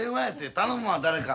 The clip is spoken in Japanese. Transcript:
頼むわ誰か。